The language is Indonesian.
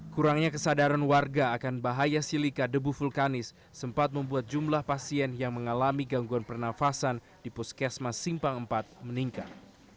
kurangnya kesadaran warga akan bahaya silika debu vulkanis sempat membuat jumlah pasien yang mengalami gangguan pernafasan di puskesmas simpang empat meningkat